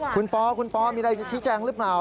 คุณปอคุณปอมีอะไรจะชี้แจงหรือเปล่า